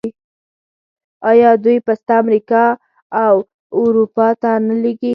آیا دوی پسته امریکا او اروپا ته نه لیږي؟